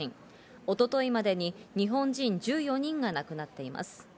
一昨日までに日本人１４人が亡くなっています。